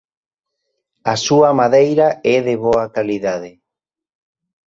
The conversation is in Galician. A súa madeira é de boa calidade.